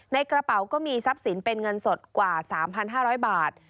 ในกระเป๋าก็มีทรัพย์สินเป็นเงินสดกว่า๓๕๐๐บาท